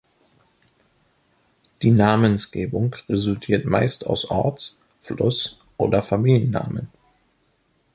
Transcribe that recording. Die Namensgebung resultiert meist aus Orts-, Fluss- oder Familiennamen.